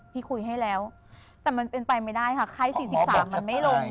พี่คุยให้แล้วแต่มันเป็นไปไม่ได้ค่ะไข้๔๓มันไม่ลง